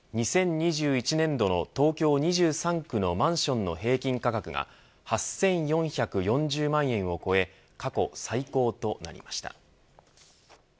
２０２１年度の東京２３区のマンションの平均価格が８４４０万円を超え過去最高となりました。